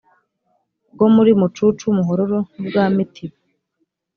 bwo muri mucucu muhororo n ubwa mitiba